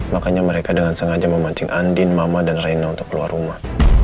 makanya mereka dengan sengaja memancing andin mama dan reina untuk keluar rumah